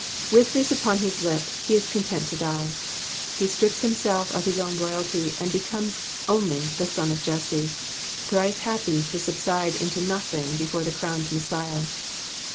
With this upon his lip, he is content to die. He stiips himself of his own royalty and becomes only the *' son of Jesse," thrice happy to subside into nothing before the crowned ]\Iessiah.